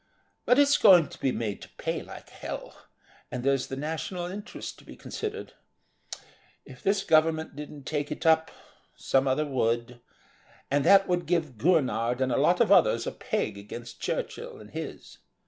But it's going to be made to pay like hell, and there's the national interest to be considered. If this Government didn't take it up, some other would and that would give Gurnard and a lot of others a peg against Churchill and his.